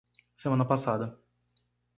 Semana passada